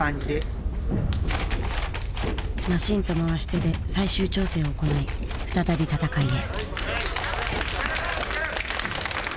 マシンと回し手で最終調整を行い再び戦いへ。